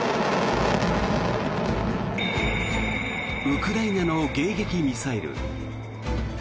ウクライナの迎撃ミサイル。